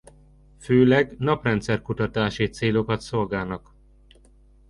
Főleg Naprendszer-kutatási célokat szolgálnak.